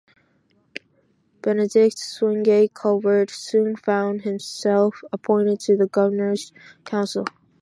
Benedict Swingate Calvert soon found himself appointed to the Governor's Council.